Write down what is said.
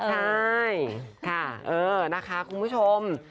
ใช่ค่ะเออนะคะคุณผู้ชม